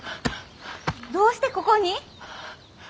どうしてここに？